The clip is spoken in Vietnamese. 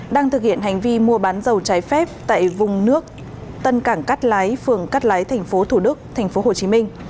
đang thực hiện hành vi mua bán dầu trái phép tại vùng nước tân cảng cát lái phường cát lái tp thủ đức tp hcm